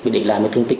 để lại một thương tích